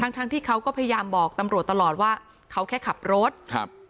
ทั้งทั้งที่เขาก็พยายามบอกตำรวจตลอดว่าเขาแค่ขับรถครับ